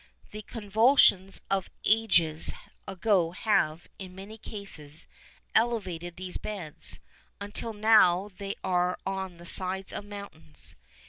The convulsions of ages ago have, in many cases, elevated these beds, until now they are on the sides of mountains.